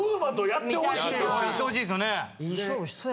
やってほしいっすよね。